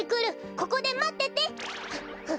ここでまってて。